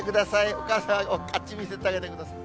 お母さん、あっち見せてあげてください。